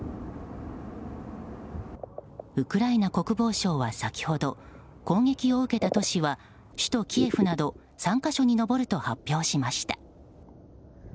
ウクライナ国防省は先ほど攻撃を受けた都市は首都キエフなど３か所に上ると発表しました。